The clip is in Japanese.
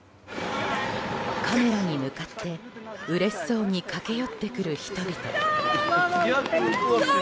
カメラに向かってうれしそうに駆け寄ってくる人々。